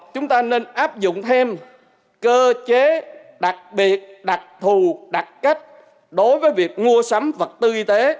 chúng ta nên áp dụng thêm cơ chế đặc biệt đặc thù đặc cách đối với việc mua sắm vật tư y tế